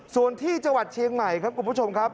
ส่วนที่จังหวัดเชียงใหม่ครับคุณผู้ชมครับ